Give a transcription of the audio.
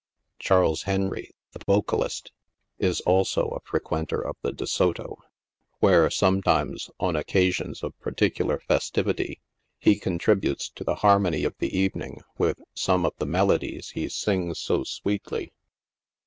Charles Henry, the vocalist, is also a fre quenter of the De Soto, where, sometimes, on occasions of particu lar festivity, he contributes to the harmony of the evening with some of the melodies he sings so sweetly.